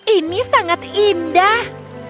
ini sangat indah